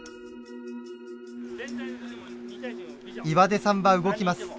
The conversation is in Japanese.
岩出さんは動きます。